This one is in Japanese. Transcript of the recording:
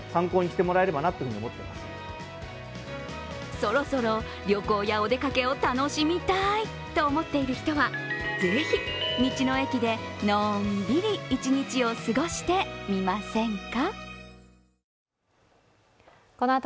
そろそろ旅行やお出かけを楽しみたいと思っている人はぜひ、道の駅でのんびり一日を過ごしてみませんか？